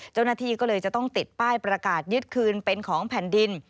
เจ้าหน้าที่ก็เลยจะต้องติดป้ายประกาศยึดคืนเป็นของแผ่นดิน